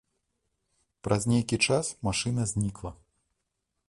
Праз нейкі час машына знікла.